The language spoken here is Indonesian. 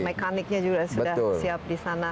dan mekaniknya juga sudah siap di sana